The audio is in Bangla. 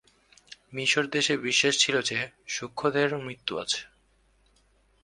মিশরদেশে বিশ্বাস ছিল যে, সূক্ষ্মদেহেরও মৃত্যু আছে।